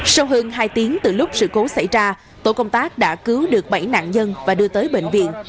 sau hơn hai tiếng từ lúc sự cố xảy ra tổ công tác đã cứu được bảy nạn nhân và đưa tới bệnh viện